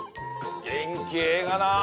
元気ええがな。